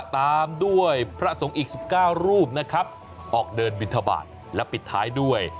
ตามด้วยพระสงฆ์อีก๑๙รูปนะครับออกเดินบินทบาทและปิดท้ายด้วย